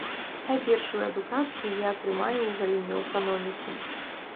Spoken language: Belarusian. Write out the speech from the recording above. Хай першую адукацыю я атрымаю ў галіне эканомікі.